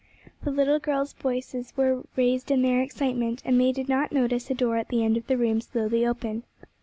The little girls' voices were raised in their excitement, and they did not notice a door at the end of the room slowly open.